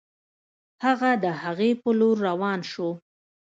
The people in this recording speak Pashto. هغه د هغې په لور روان شو